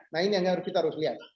nah ini yang harus kita harus lihat